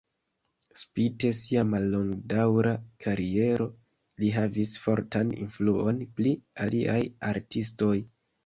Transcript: Spite sia mallongdaŭra kariero, li havis fortan influon pli aliaj artistoj.